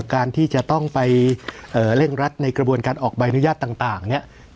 การที่จะต้องไปเร่งรัดในกระบวนการออกใบอนุญาตต่างเนี่ย